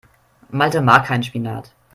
Malte mag keinen Spinat.